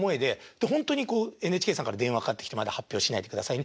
ほんとにこうＮＨＫさんから電話かかってきて「まだ発表しないでくださいね」